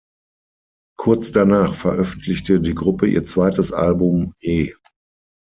Kurz danach veröffentlichte die Gruppe ihr zweites Album "E.